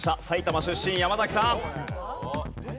埼玉出身山崎さん。